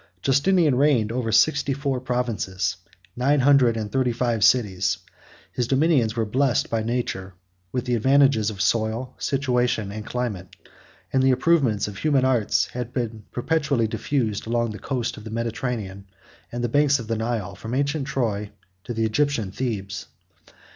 Justinian reigned over sixty four provinces, and nine hundred and thirty five cities; 54 his dominions were blessed by nature with the advantages of soil, situation, and climate: and the improvements of human art had been perpetually diffused along the coast of the Mediterranean and the banks of the Nile from ancient Troy to the Egyptian Thebes.